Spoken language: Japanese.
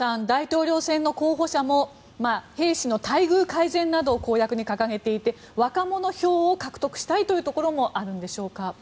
大統領選の候補者も兵士の待遇改善などを公約に掲げていて若者票を獲得したいというところもあるんでしょうか。